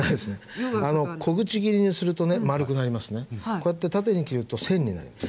こうやって縦に切ると線になります。